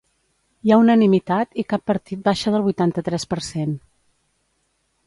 Hi ha unanimitat i cap partit baixa del vuitanta-tres per cent.